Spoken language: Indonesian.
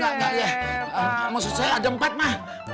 enggak enggak ya maksud saya ada empat ma